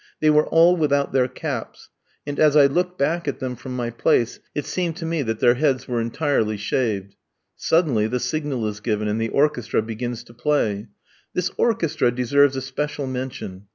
They were all without their caps, and as I looked back at them from my place, it seemed to me that their heads were entirely shaved. Suddenly the signal is given, and the orchestra begins to play. This orchestra deserves a special mention.